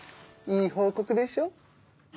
いい報告でしょ？